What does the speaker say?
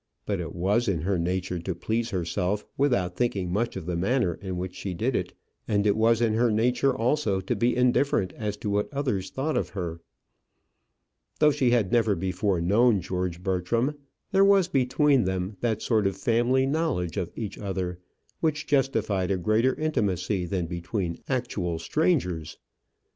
But it was in her nature to please herself without thinking much of the manner in which she did it, and it was in her nature also to be indifferent as to what others thought of her. Though she had never before known George Bertram, there was between them that sort of family knowledge of each other which justified a greater intimacy than between actual strangers.